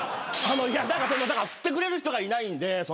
振ってくれる人がいないんで。